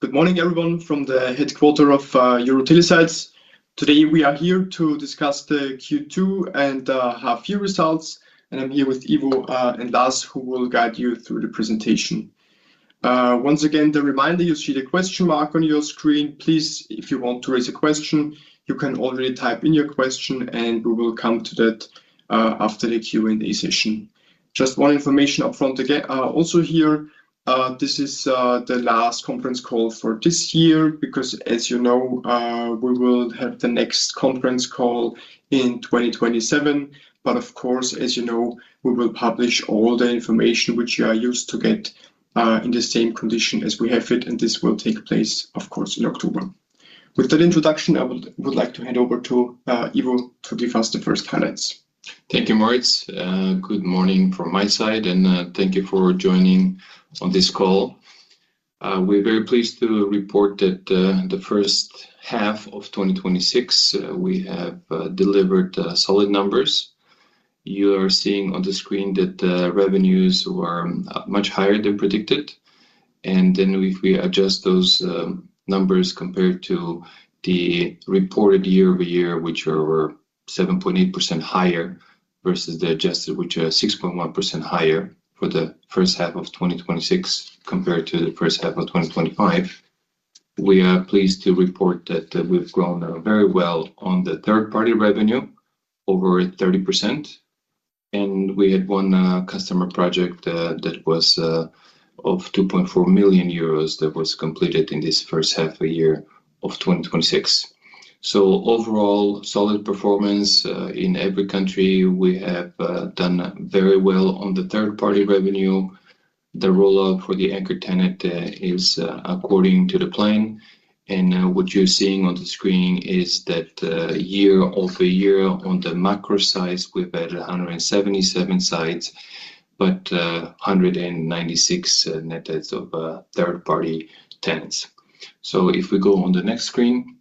Good morning, everyone, from the headquarter of EuroTeleSites. Today, we are here to discuss the Q2 and half-year results. I'm here with Ivo and Lars, who will guide you through the presentation. Once again, the reminder, you see the question mark on your screen. Please, if you want to raise a question, you can already type in your question and we will come to that after the Q&A session. Just one information up front, also here, this is the last conference call for this year because as you know, we will have the next conference call in 2027. Of course, as you know, we will publish all the information which you are used to get, in the same condition as we have it, and this will take place, of course, in October. With that introduction, I would like to hand over to Ivo to give us the first guidance. Thank you, Moritz. Good morning from my side, and thank you for joining on this call. We're very pleased to report that the first half of 2026, we have delivered solid numbers. You are seeing on the screen that the revenues were much higher than predicted. If we adjust those numbers compared to the reported year-over-year, which were 7.8% higher versus the adjusted, which are 6.1% higher for the first half of 2026 compared to the first half of 2025. We are pleased to report that we've grown very well on the third-party revenue, over 30%, and we had one customer project that was of 2.4 million euros, that was completed in this first half year of 2026. Overall, solid performance in every country. We have done very well on the third-party revenue. The rollout for the anchor tenant is according to the plan. What you're seeing on the screen is that year-over-year on the macro sites, we've added 177 sites, but 196 net adds of third-party tenants. If we go on the next screen,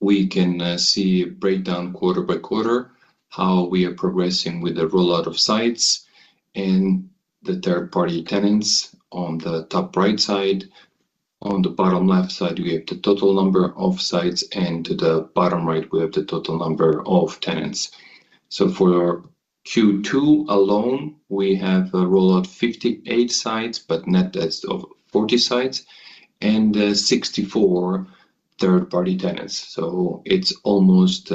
we can see a breakdown quarter-by-quarter, how we are progressing with the rollout of sites and the third-party tenants on the top right side. On the bottom left side, we have the total number of sites, and to the bottom right, we have the total number of tenants. For Q2 alone, we have rolled out 58 sites, but net adds of 40 sites and 64 third-party tenants. It's almost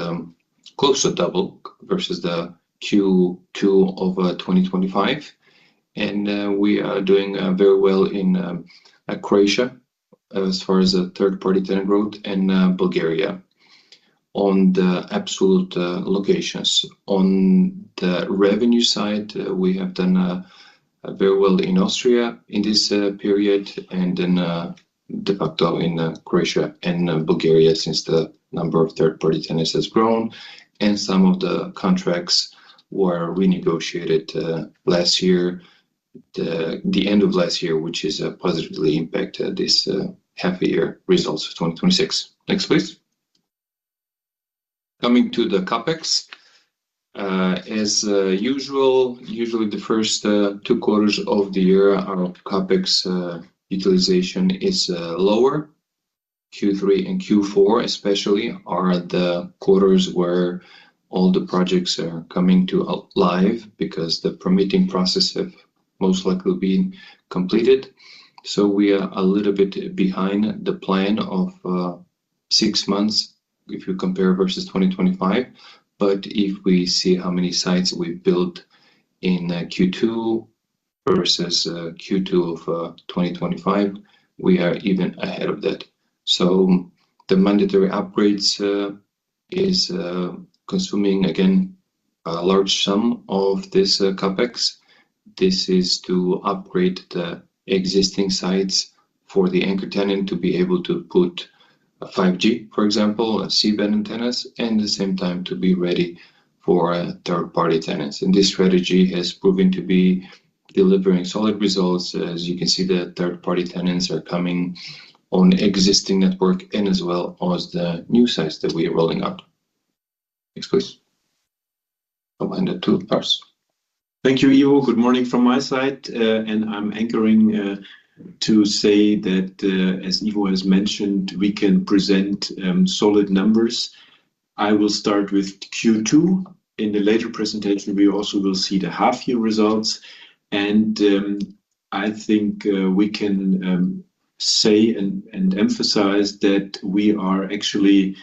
close to double versus the Q2 of 2025. We are doing very well in Croatia as far as the third-party tenant route and Bulgaria on the absolute locations. On the revenue side, we have done very well in Austria in this period and in de facto in Croatia and Bulgaria since the number of third-party tenants has grown and some of the contracts were renegotiated last year, the end of last year, which has positively impacted this half-year results of 2026. Next, please. Coming to the CapEx. As usual, usually the first two quarters of the year, our CapEx utilization is lower. Q3 and Q4 especially are the quarters where all the projects are coming to life because the permitting process has most likely been completed. We are a little bit behind the plan of six months if you compare versus 2025. If we see how many sites we've built in Q2 versus Q2 of 2025, we are even ahead of that. The mandatory upgrades are consuming, again, a large sum of this CapEx. This is to upgrade the existing sites for the anchor tenant to be able to put 5G, for example, C-band antennas, and at the same time to be ready for third-party tenants. This strategy has proven to be delivering solid results. As you can see, the third-party tenants are coming on existing network and as well as the new sites that we are rolling out. Next, please. The two parts. Thank you, Ivo. Good morning from my side. I am anchoring to say that, as Ivo has mentioned, we can present solid numbers. I will start with Q2. In the later presentation, we also will see the half-year results. I think we can say and emphasize that we are actually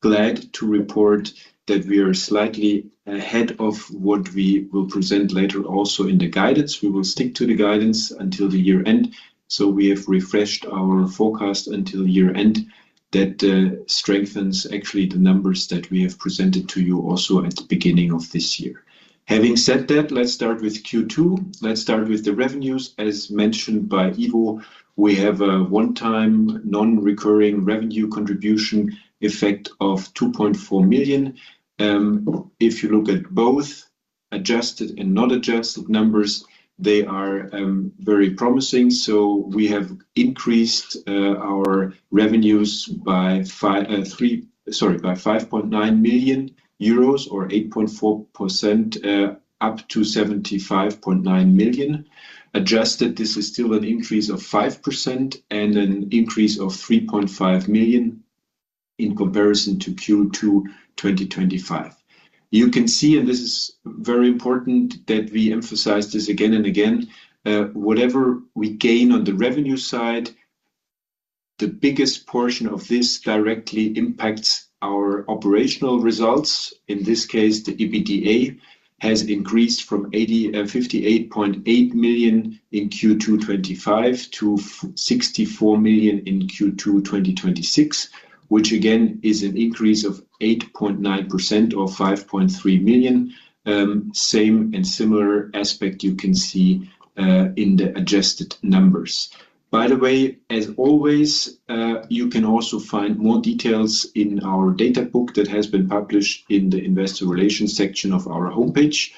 glad to report that we are slightly ahead of what we will present later also in the guidance. We will stick to the guidance until the year-end. We have refreshed our forecast until year-end. That strengthens actually the numbers that we have presented to you also at the beginning of this year. Having said that, let's start with Q2. Let's start with the revenues. As mentioned by Ivo, we have a one-time non-recurring revenue contribution effect of 2.4 million. If you look at both adjusted and non-adjusted numbers, they are very promising. We have increased our revenues by 5.9 million euros or 8.4% up to 75.9 million. Adjusted, this is still an increase of 5% and an increase of 3.5 million. In comparison to Q2 2025. You can see, and this is very important that we emphasize this again and again, whatever we gain on the revenue side, the biggest portion of this directly impacts our operational results. In this case, the EBITDA has increased from 58.8 million in Q2 2025 to 64 million in Q2 2026, which again, is an increase of 8.9% or 5.3 million. Same and similar aspect you can see in the adjusted numbers. By the way, as always, you can also find more details in our data book that has been published in the investor relations section of our homepage.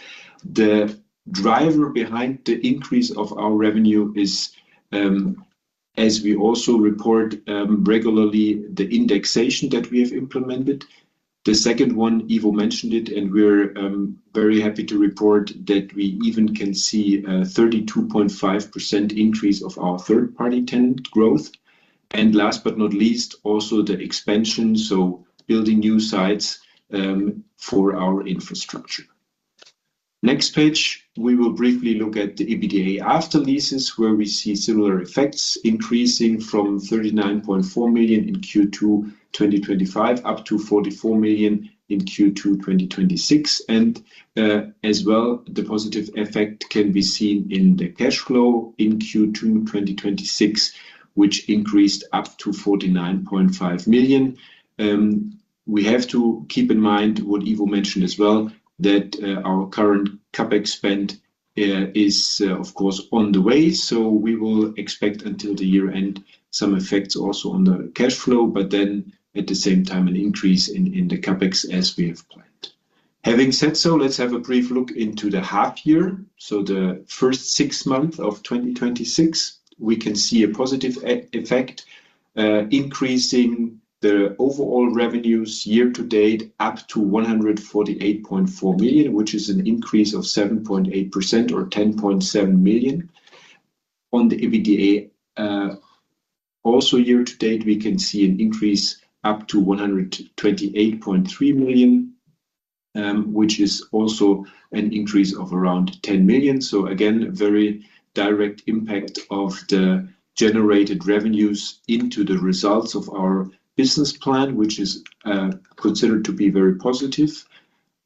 The driver behind the increase of our revenue is, as we also report regularly, the indexation that we have implemented. The second one, Ivo mentioned it, and we're very happy to report that we even can see a 32.5% increase of our third-party tenant growth. Last but not least, also the expansion, so building new sites for our infrastructure. Next page, we will briefly look at the EBITDA after leases where we see similar effects increasing from 39.4 million in Q2 2025 up to 44 million in Q2 2026. As well, the positive effect can be seen in the cash flow in Q2 2026, which increased up to 49.5 million. We have to keep in mind what Ivo mentioned as well, that our current CapEx spend is, of course, on the way. We will expect until the year end some effects also on the cash flow, but then at the same time, an increase in the CapEx as we have planned. Having said so, let's have a brief look into the half year. The first six months of 2026, we can see a positive effect, increasing the overall revenues year to date up to 148.4 million, which is an increase of 7.8% or 10.7 million. On the EBITDA, also year to date, we can see an increase up to 128.3 million, which is also an increase of around 10 million. Again, very direct impact of the generated revenues into the results of our business plan, which is considered to be very positive.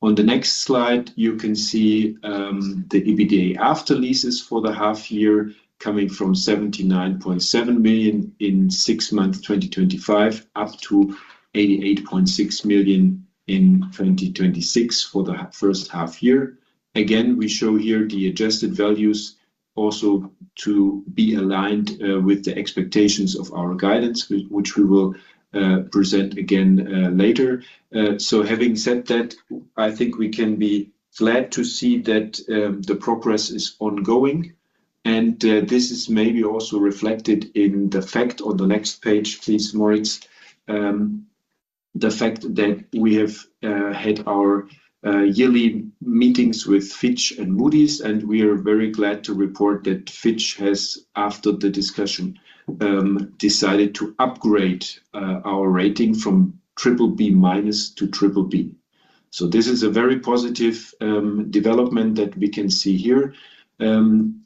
On the next slide, you can see the EBITDA after leases for the half year coming from 79.7 million in six months 2025, up to 88.6 million in 2026 for the first half year. Again, we show here the adjusted values also to be aligned with the expectations of our guidance, which we will present again later. Having said that, I think we can be glad to see that the progress is ongoing, and this is maybe also reflected in the fact on the next page, please, Moritz. The fact that we have had our yearly meetings with Fitch and Moody's, and we are very glad to report that Fitch has, after the discussion, decided to upgrade our rating from BBB- to BBB. This is a very positive development that we can see here.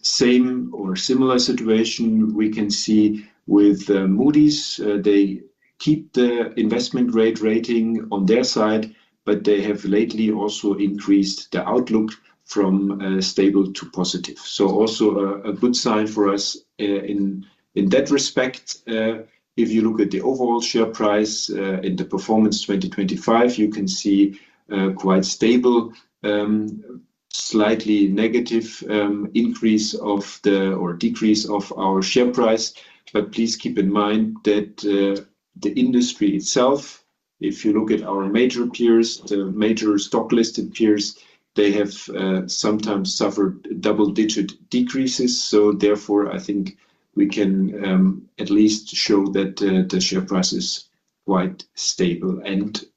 Same or similar situation we can see with Moody's. They keep the investment-grade rating on their side, but they have lately also increased the outlook from stable to positive. Also a good sign for us in that respect. If you look at the overall share price in the performance 2025, you can see quite stable, slightly negative increase or decrease of our share price. Please keep in mind that the industry itself, if you look at our major peers, the major stock-listed peers, they have sometimes suffered double-digit decreases. Therefore, I think we can at least show that the share price is quite stable.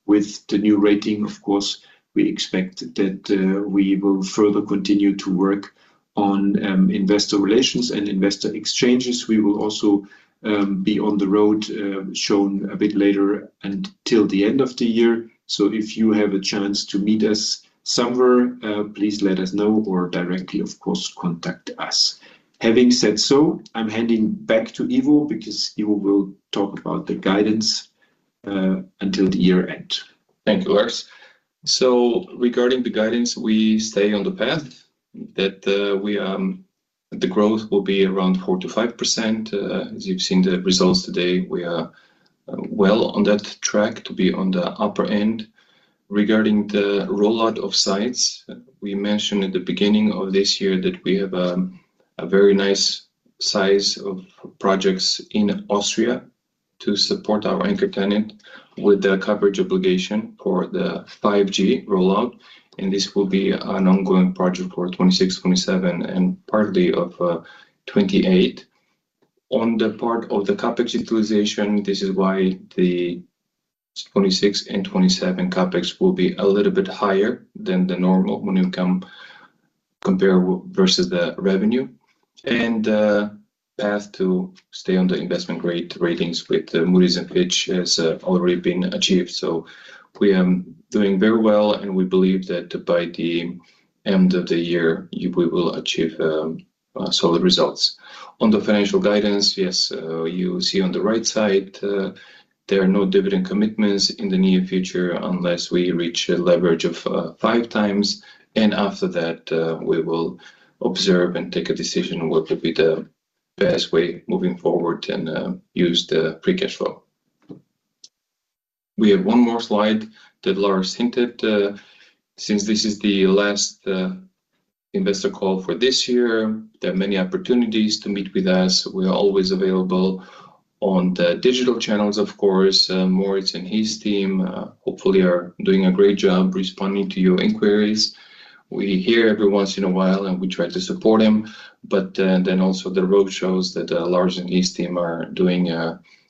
With the new rating, of course, we expect that we will further continue to work on investor relations and investor exchanges. We will also be on the road, shown a bit later until the end of the year. If you have a chance to meet us somewhere, please let us know or directly, of course, contact us. Having said so, I'm handing back to Ivo because Ivo will talk about the guidance until the year-end. Thank you, Lars. Regarding the guidance, we stay on the path that the growth will be around 4%-5%. As you've seen the results today, we are well on that track to be on the upper end. Regarding the rollout of sites, we mentioned at the beginning of this year that we have a very nice size of projects in Austria to support our anchor tenant with the coverage obligation for the 5G rollout, and this will be an ongoing project for 2026, 2027, and partly of 2028. On the part of the CapEx utilization, this is why the 2026 and 2027 CapEx will be a little bit higher than the normal when you compare versus the revenue and path to stay on the investment-grade ratings with Moody's and Fitch has already been achieved. We are doing very well, and we believe that by the end of the year, we will achieve solid results. On the financial guidance, yes, you see on the right side, there are no dividend commitments in the near future unless we reach a leverage of five times. After that, we will observe and take a decision what will be the best way moving forward and use the free cash flow. We have one more slide that Lars hinted. Since this is the last investor call for this year, there are many opportunities to meet with us. We are always available on the digital channels, of course. Moritz and his team hopefully are doing a great job responding to your inquiries. We hear every once in a while, and we try to support him, also the road shows that Lars and his team are doing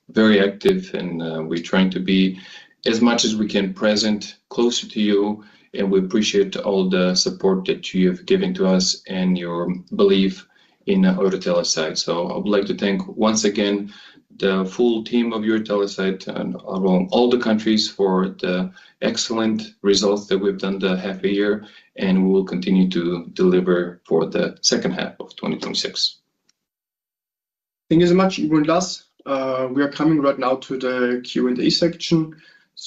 very active and we're trying to be as much as we can present closer to you, and we appreciate all the support that you have given to us and your belief in EuroTeleSites. I would like to thank once again the full team of EuroTeleSites and around all the countries for the excellent results that we've done the half a year, and we will continue to deliver for the second half of 2026. Thank you so much, Ivo and Lars. We are coming right now to the Q&A section.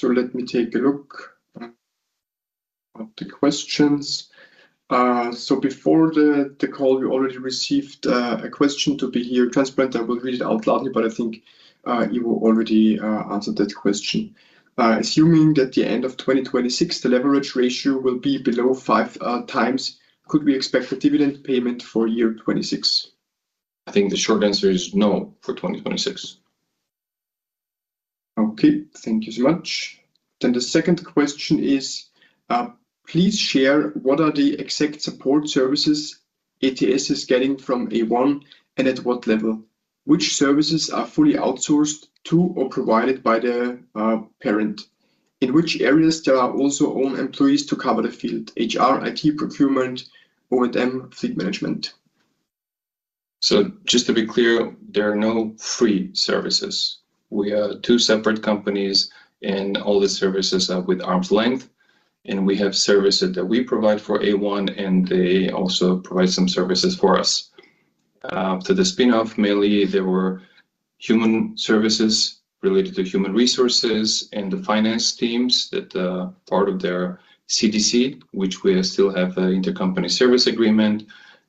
Let me take a look at the questions. Before the call, we already received a question to be here transcribed. I will read it out loudly, but I think Ivo already answered that question. Assuming that the end of 2026, the leverage ratio will be below 5 times, could we expect a dividend payment for year 2026? I think the short answer is no for 2026. Okay. Thank you so much. The second question is, please share what are the exact support services EuroTeleSites is getting from A1 and at what level? Which services are fully outsourced to or provided by their parent? In which areas there are also own employees to cover the field? HR, IT procurement, O&M, fleet management. Just to be clear, there are no free services. We are two separate companies and all the services are with arm's length, and we have services that we provide for A1, and they also provide some services for us. After the spin-off, mainly, there were human services related to human resources and the finance teams that are part of their CDC, which we still have an intercompany service agreement.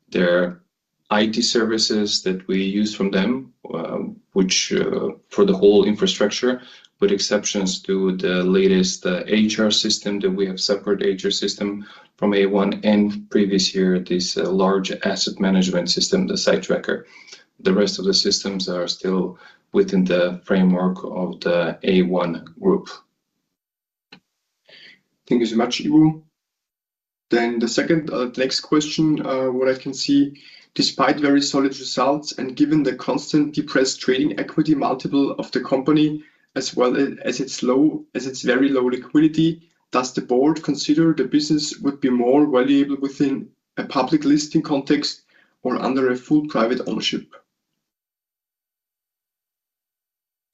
There are IT services that we use from them, which for the whole infrastructure, with exceptions to the latest HR system, that we have separate HR system from A1, and previous year, this large asset management system, the Sitetracker. The rest of the systems are still within the framework of the A1 Group. Thank you so much, Ivo. The next question, what I can see, despite very solid results and given the constant depressed trading equity multiple of the company, as well as its very low liquidity, does the board consider the business would be more valuable within a public listing context or under a full private ownership?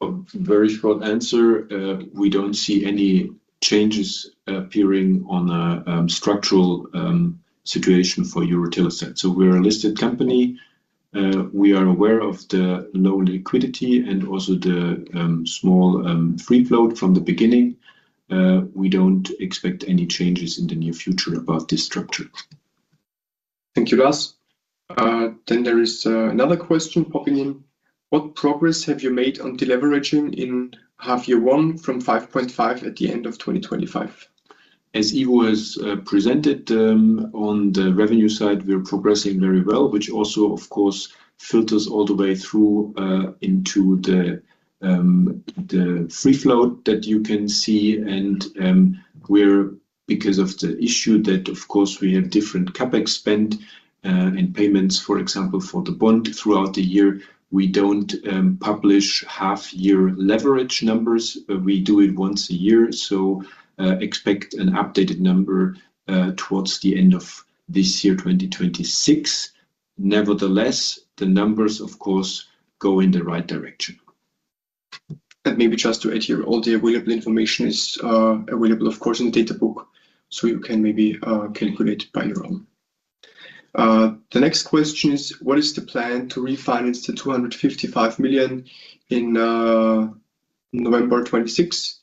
A very short answer. We don't see any changes appearing on a structural situation for EuroTeleSites. We're a listed company. We are aware of the low liquidity and also the small free flow from the beginning. We don't expect any changes in the near future about this structure. Thank you, Lars. There is another question popping in. What progress have you made on deleveraging in half year one from 5.5 at the end of 2025? As Ivo has presented, on the revenue side, we are progressing very well, which also, of course, filters all the way through into the free flow that you can see. Because of the issue that, of course, we have different CapEx spend and payments, for example, for the bond throughout the year, we don't publish half year leverage numbers. We do it once a year, expect an updated number towards the end of this year, 2026. Nevertheless, the numbers, of course, go in the right direction. Maybe just to add here, all the available information is available, of course, in the data book, so you can maybe calculate by your own. The next question is, what is the plan to refinance the 255 million in November 2026?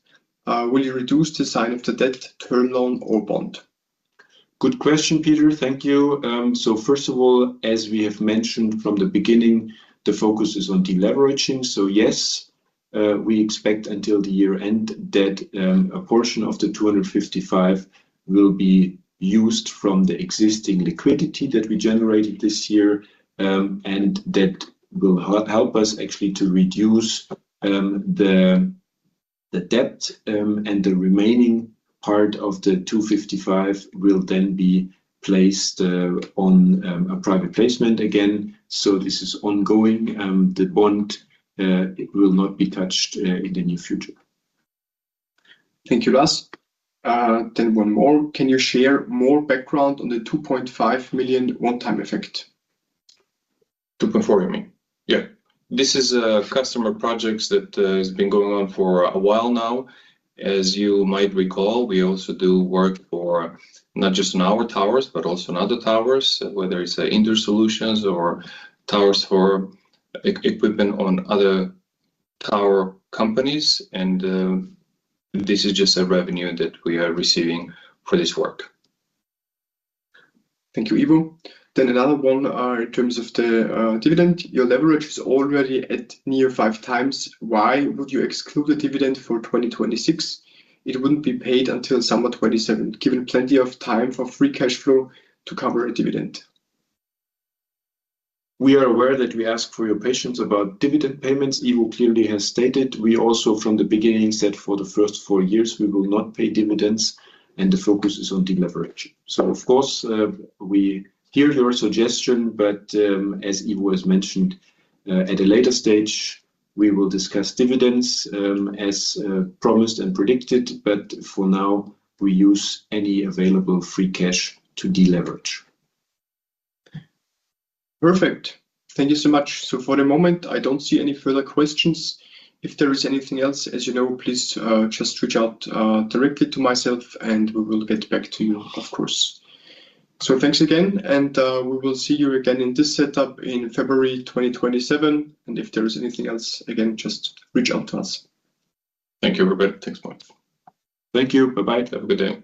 Will you reduce the side of the debt term loan or bond? Good question, Peter. Thank you. First of all, as we have mentioned from the beginning, the focus is on deleveraging. Yes, we expect until the year end that a portion of the 255 million will be used from the existing liquidity that we generated this year, and that will help us actually to reduce the debt, and the remaining part of the 255 million will then be placed on a private placement again. This is ongoing. The bond, it will not be touched in the near future. Thank you, Lars. One more. Can you share more background on the 2.5 million one-time effect? 2.4 million you mean? Yeah. This is customer projects that has been going on for a while now. As you might recall, we also do work for not just on our towers, but also on other towers, whether it's indoor solutions or towers for equipment on other tower companies. This is just a revenue that we are receiving for this work. Thank you, Ivo. Another one in terms of the dividend. Your leverage is already at near five times. Why would you exclude the dividend for 2026? It wouldn't be paid until summer 2027, given plenty of time for free cash flow to cover a dividend. We are aware that we ask for your patience about dividend payments. Ivo clearly has stated we also from the beginning said for the first four years, we will not pay dividends. The focus is on deleverage. Of course, we hear your suggestion, as Ivo has mentioned, at a later stage, we will discuss dividends, as promised and predicted. For now, we use any available free cash to deleverage. Perfect. Thank you so much. For the moment, I don't see any further questions. If there is anything else, as you know, please just reach out directly to myself and we will get back to you, of course. Thanks again, and we will see you again in this setup in February 2027. If there is anything else, again, just reach out to us. Thank you, everybody. Thanks a lot. Thank you. Bye-bye. Have a good day.